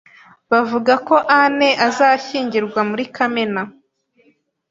Bavuga ko Anne azashyingirwa muri Kamena.